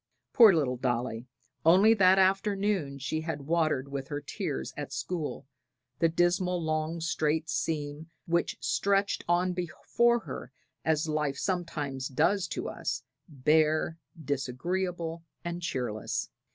Poor little Dolly! only that afternoon she had watered with her tears, at school, the dismal long straight seam, which stretched on before her as life sometimes does to us, bare, disagreeable and cheerless.